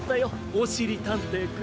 おしりたんていくん。